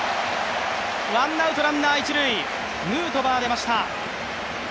ワンアウト・ランナー一塁ヌートバーが出ました。